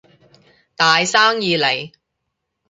大生意嚟